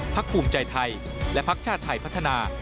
ภูมิใจไทยและพักชาติไทยพัฒนา